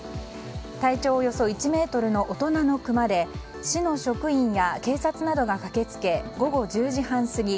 体長およそ１ｍの大人のクマで市の職員や警察などが駆けつけ午後１０時半過ぎ